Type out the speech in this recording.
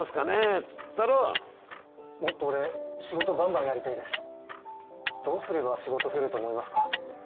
っつったらもっと俺仕事バンバンやりたいですどうすれば仕事増えると思いますか？